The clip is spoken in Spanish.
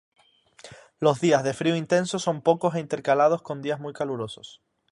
Los días de frío intenso son pocos e intercalados con días muy calurosos.